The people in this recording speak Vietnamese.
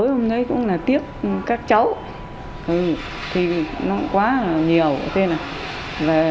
hôm nay cũng là tiếc các cháu thì nó quá nhiều thế này